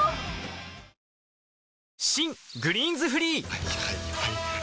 はいはいはいはい。